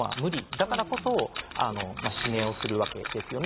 だからこそ指名をするわけですね。